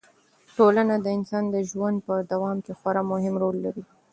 ټولنه د انسان د ژوند په دوام کې خورا مهم رول لري.